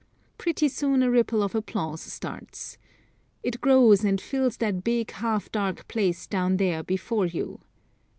Pretty soon a ripple of applause starts. It grows and fills that big half dark place down there before you.